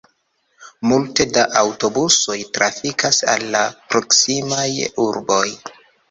Multe da aŭtobusoj trafikas al la proksimaj urboj.